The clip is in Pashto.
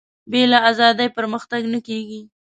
بې له ازادي پرمختګ نه کېږي.